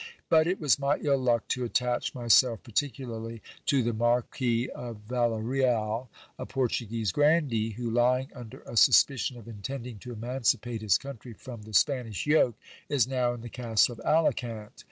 But it was my ill luck to attach i mvself particularly to the Marquis of YillareaL a Portuguese grandee, who, lyjig under a suspicion of intending to emancipate his country from the Spanish yoke, is now in the castle of Alicant.